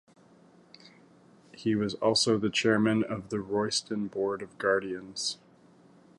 He was also the chairman of the Royston Board of Guardians.